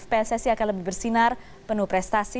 pssi akan lebih bersinar penuh prestasi